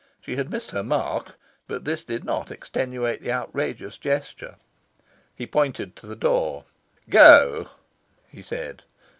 She had missed her mark. But this did not extenuate the outrageous gesture. He pointed to the door. "Go!" he said.